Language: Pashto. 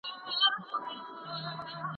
کمپيوټر هدف ټاکي.